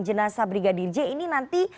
jenazah brigadir j ini nanti